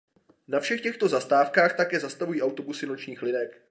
Na všech těchto zastávkách také zastavují autobusy nočních linek.